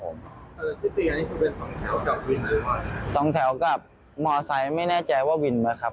ผมสองแถวกับหมอไซุ์ไม่แน่ใจว่าวิ้นเหมือนครับผม